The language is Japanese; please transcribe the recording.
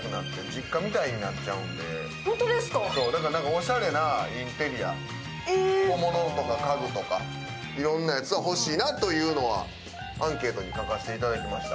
おしゃれなインテリア小物とか家具とかいろんなやつを欲しいなというのはアンケートに書かせていただきまいｓた。